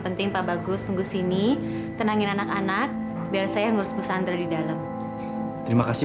penting pak bagus tunggu sini tenangin anak anak biar saya ngurus pesantren di dalam terima kasih